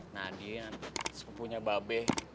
nadine sepunya babeh